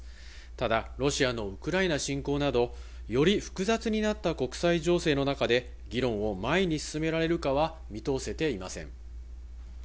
ただ、ロシアのウクライナ侵攻など、より複雑になった国際情勢の中で議論を前に進められるかは見通せていません。